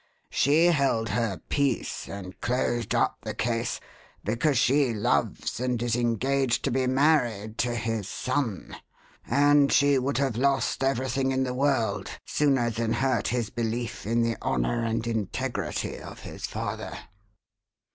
She held her peace and closed up the case because she loves and is engaged to be married to his son, and she would have lost everything in the world sooner than hurt his belief in the honour and integrity of his father."